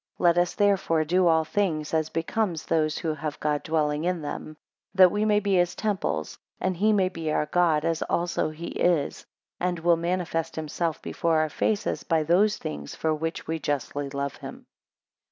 23 Let us therefore do all things, as becomes those who have God dwelling in them; that we maybe his temples; and he may be our God as also he is, and will manifest himself before our faces, by those things for which we justly love him.